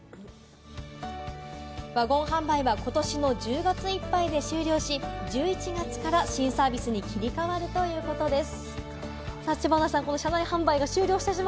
ワゴン販売はことしの１０月いっぱいで終了し、１１月から新サービスに切り替わるということです。